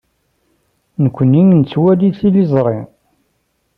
Nekkni nettwali tiliẓri.